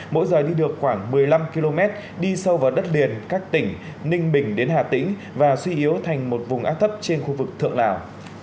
mỗi giờ đi được khoảng một mươi năm km đi sâu vào đất liền các tỉnh ninh bình đến hà tĩnh và suy yếu thành một vùng áp thấp trên khu vực thượng lào